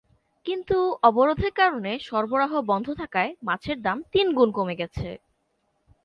কিন্তু অবরোধের কারণে সরবরাহ বন্ধ থাকায় মাছের দাম তিন গুণ কমে গেছে।